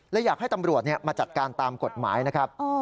อยากให้ตำรวจมาจัดการตามกฎหมายนะครับ